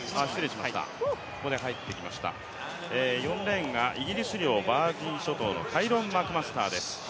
４レーンがイギリス領バージン諸島のカイロン・マクマスターです。